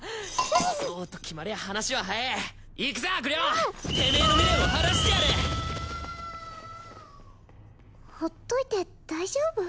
そうと決まりゃ話は早え行くぜ悪霊てめえの未練を晴らしてやるほっといて大丈夫？